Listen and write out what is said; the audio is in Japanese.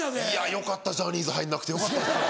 よかったジャニーズ入んなくてよかったです。